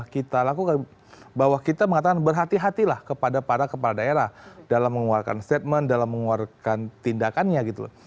kita lakukan bahwa kita mengatakan berhati hatilah kepada para kepala daerah dalam mengeluarkan statement dalam mengeluarkan tindakannya gitu loh